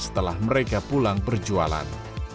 setelah mereka pulang berjualan